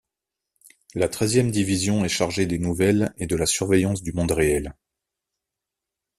La treizième division est chargée des nouvelles et de la surveillance du monde réel.